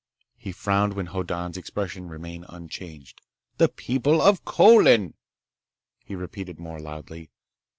He frowned when Hoddan's expression remained unchanged. "The people of Colin!" he repeated more loudly.